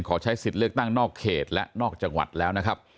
ใช้สิทธิ์เลือกตั้งนอกเขตและนอกจังหวัดแล้วนะครับ